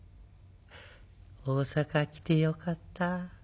大坂来てよかった。